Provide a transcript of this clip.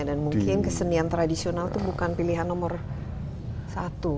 dan mungkin kesenian tradisional itu bukan pilihan nomor satu